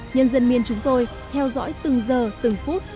nhân dân miên chúng tôi theo dõi từng giờ từng phút